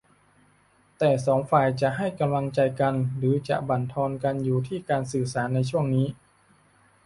แต่สองฝ่ายจะให้กำลังใจกันหรือจะบั่นทอนก็อยู่ที่การสื่อสารในช่วงนี้